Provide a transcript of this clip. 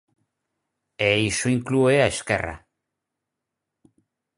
E iso inclúe a Esquerra.